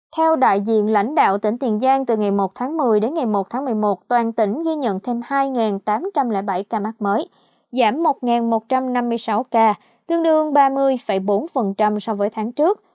theo đại diện lãnh đạo tỉnh tiền giang từ ngày một tháng một mươi đến ngày một tháng một mươi một toàn tỉnh ghi nhận thêm hai tám trăm linh bảy ca mắc mới giảm một một trăm năm mươi sáu ca tương đương ba mươi bốn so với tháng trước